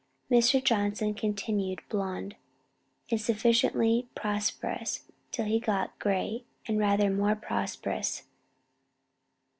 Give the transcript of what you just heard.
Mr. Johnson continued blond and sufficiently prosperous till he got gray and rather more prosperous.